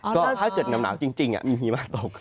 ก็ถ้าเกิดหนาวจริงมีหิมะตก